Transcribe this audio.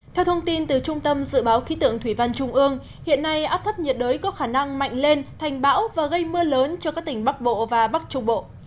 theo thông tin từ trung tâm dự báo khí tượng thủy văn trung ương hiện nay áp thấp nhiệt đới có khả năng mạnh lên thành bão và gây mưa lớn cho các tỉnh bắc bộ và bắc trung bộ